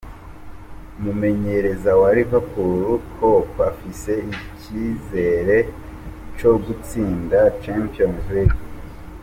Umumenyereza wa Liverpool Klopp afise icizere co gutsinda Champions League.